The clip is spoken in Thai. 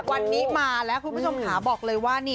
วันนี้มาแล้วคุณผู้ชมขาบอกเลยว่า